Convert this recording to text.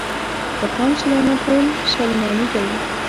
پۀ قام سليمان خيل، شلمانے دے ۔